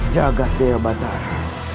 jagad deo batara